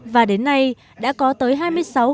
và đến nay đã có tới hai mươi sản xuất